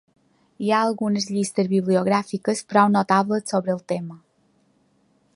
Hi ha algunes llistes bibliogràfiques prou notables sobre el tema.